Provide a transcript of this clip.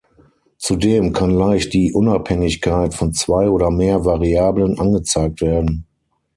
Zudem kann leicht die Unabhängigkeit von zwei oder mehr Variablen angezeigt werden.